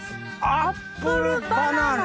アップルバナナ。